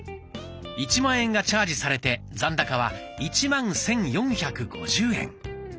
１万円がチャージされて残高は１万１，４５０円。